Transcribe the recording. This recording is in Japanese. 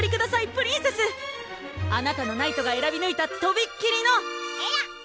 プリンセスあなたのナイトがえらびぬいたとびっきりのえる！